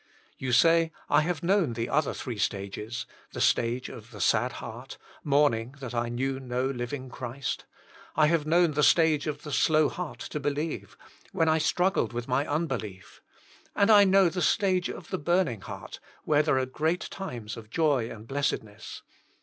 You say, *< I have known the other three stages; the stage of the sad heart, mourning that I knew no living 36 Jesus Himself. Christ; I have known the stage of the slow heart to believe, when I struggled with my unbelief ; and I know the stage of the burning heart, when there are great times of joy and blessedness."